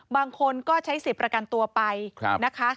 บางคนก็ใช้๑๐ประกันตัวไปนะคะ